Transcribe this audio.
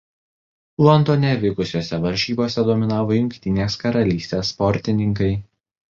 Londone vykusiose varžybose dominavo Jungtinės Karalystės sportininkai.